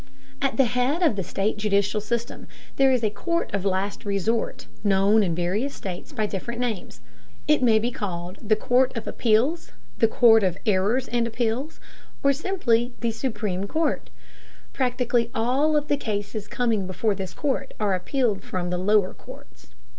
At the head of the state judicial system there is a court of last resort, known in various states by different names. It may be called the court of appeals, the court of errors and appeals, or simply the supreme court. Practically all of the cases coming before this court are appealed from the lower courts.